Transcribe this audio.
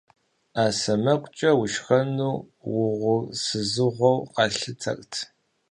Ӏэ сэмэгукӀэ ушхэну угъурсызыгъэу къалъытэрт.